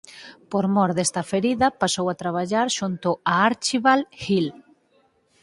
Por mor desta ferida pasou a traballar xunto a Archibald Hill.